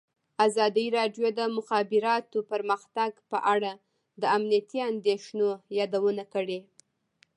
ازادي راډیو د د مخابراتو پرمختګ په اړه د امنیتي اندېښنو یادونه کړې.